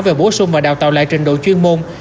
về bổ sung và đào tạo lại trình độ chuyên môn